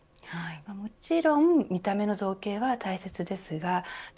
もちろん見た目の造形は大切ですがで